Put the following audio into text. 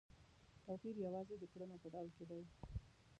توپیر یوازې د کړنو په ډول کې دی.